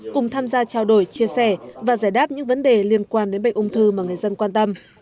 cùng tham gia trao đổi chia sẻ và giải đáp những vấn đề liên quan đến bệnh ung thư mà người dân quan tâm